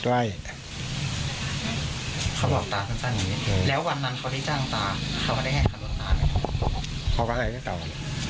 แล้ววันนั้นเขาได้จ้างตาเขามาได้ให้การลงตาไหมเขาก็ให้กันต่อ